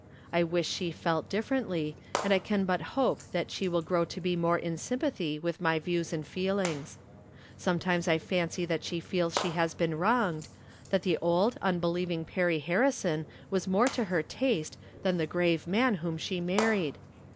I wish she felt differently, and I can but hope that she wUl grow to be more in sympathy with my views and feelings. Sometimes I fancy that she feels she has been wronged — that the old, unbe lieving Perry Harrison was more to her taste than the grave man whom she married.